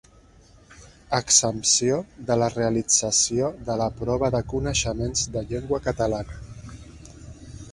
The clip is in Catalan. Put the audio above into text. Exempció de la realització de la prova de coneixements de llengua catalana.